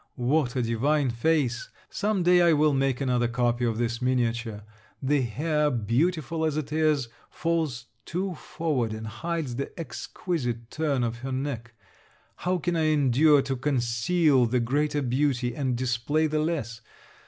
What a divine face! Some day I will make another copy of this miniature. The hair, beautiful as it is, falls too forward, and hides the exquisite turn of her neck. How can I endure to conceal the greater beauty, and display the less!